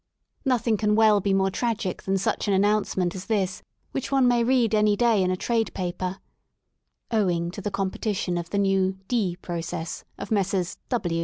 Nothing can well be more tragic than such an announcement as this, which one may read any day in a trade paper: Owing to the competition of the new D process of Messrs.